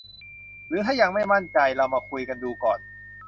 หรือถ้ายังไม่มั่นใจ เรามาคุยกันดูก่อน